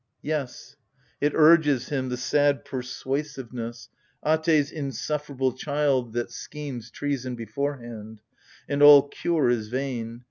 • Yes— It urges him, the sad persuasiveness, Ate's insufferable child that schemes Treason beforehand: and all cure is vain.